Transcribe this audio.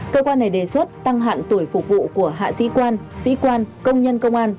cơ quan này đề xuất tăng hạn tuổi phục vụ của hạ sĩ quan sĩ quan công nhân công an